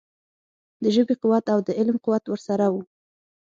د ژبې قوت او د علم قوت ورسره وو.